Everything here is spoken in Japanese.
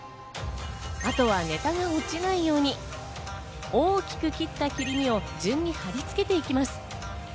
あとはネタが落ちないように、大きく切った切り身を順に張り付けていきます。